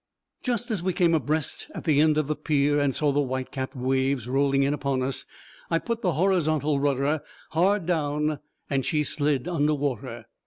Just as we came abreast of the end of the pier and saw the white capped waves rolling in upon us, I put the horizontal rudder hard down and she slid under water.